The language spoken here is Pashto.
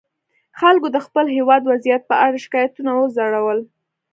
خلکو د خپل هېواد وضعیت په اړه شکایتونه وځړول.